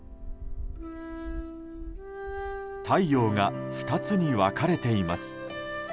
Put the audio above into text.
太陽が２つに分かれています。